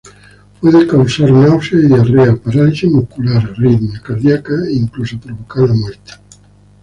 Puede causar náusea y diarrea, parálisis muscular, arritmia cardíaca e incluso provocar la muerte.